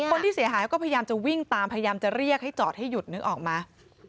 คนที่เสียหายก็พยายามจะวิ่งตามพยายามจะเรียกให้จอดให้หยุดนึกออกมา